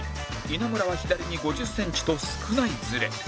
稲村は左に５０センチと少ないずれ